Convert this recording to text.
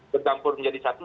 bergampur menjadi satu